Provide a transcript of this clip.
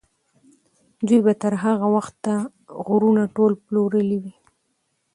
دوی به تر هغه وخته غرونه ټول پلورلي وي.